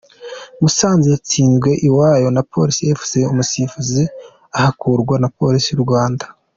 Musanze yatsindiwe iwayo na Police Fc, umusifuzi ahakurwa na Police y’u Rwanda.